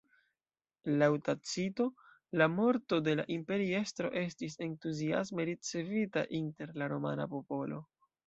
Laŭ Tacito la morto de la imperiestro estis entuziasme ricevita inter la romana popolo.